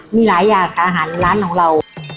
มีหลายอย่างอาหารในร้านของเรา